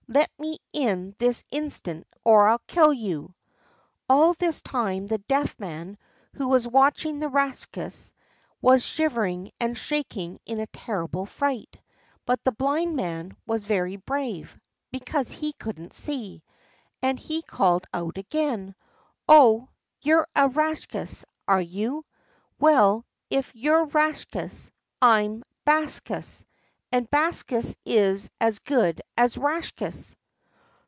Let me in this instant or I'll kill you." All this time the Deaf Man, who was watching the Rakshas, was shivering and shaking in a terrible fright, but the Blind Man was very brave (because he couldn't see), and he called out again: "Oh, you're a Rakshas, are you? Well, if you're Rakshas, I'm Bakshas; and Bakshas is as good as Rakshas."